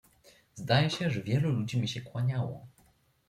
"Zdaje się, że wielu ludzi mi się kłaniało."